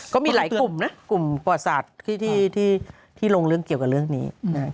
ก็มีหลายกลุ่มนะกลุ่มประสาทที่ลงเรื่องเกี่ยวกับเรื่องนี้